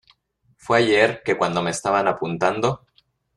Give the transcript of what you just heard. fue ayer, que cuando me estaban apuntando